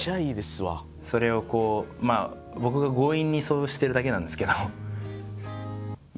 それをこうまあ僕が強引にそうしてるだけなんですけど。